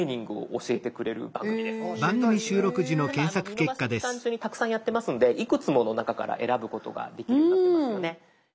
見逃し期間中にたくさんやってますんでいくつもの中から選ぶことができるようになってますよね。